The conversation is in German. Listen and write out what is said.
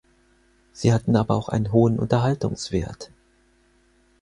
Sie hatten aber auch einen hohen Unterhaltungswert.